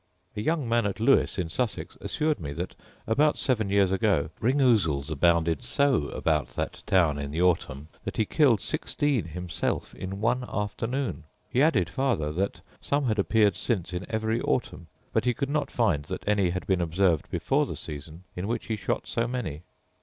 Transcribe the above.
A young man at Lewes, in Sussex, assured me that about seven years ago ring ousels abounded so about that town in the autumn that he killed sixteen himself in one afternoon: he added farther, that some had appeared since in every autumn; but he could not find that any had been observed before the season in which he shot so many.